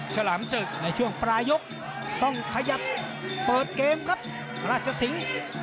ฉลามศึกในช่วงปลายยกต้องขยับเปิดเกมครับราชสิงศ์